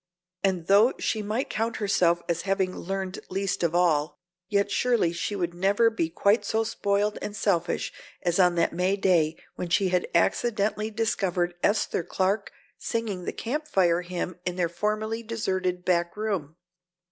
And though she might count herself as having learned least of all, yet surely she would never be quite so spoiled and selfish as on that May day when she had accidentally discovered Esther Clark singing the Camp Fire hymn in their formerly deserted back room.